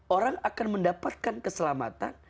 orang akan mendapatkan keselamatan